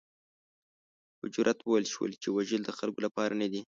په جرات وویل شول چې وژل د خلکو لپاره نه دي.